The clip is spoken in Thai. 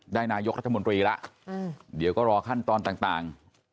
ได้นายกรรธมริแล้วอืมเดี๋ยวก็รอขั้นตอนต่างต่าง